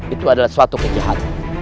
itu adalah suatu kejahatan